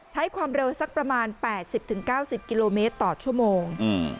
ใช้ความเร็วสักประมาณ๘๐๙๐กิโลเมตรต่อชั่วโมง